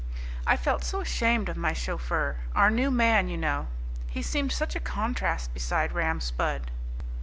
I felt so ashamed of my chauffeur, our new man, you know; he seemed such a contrast beside Ram Spudd.